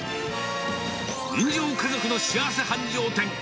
人情家族の幸せ繁盛店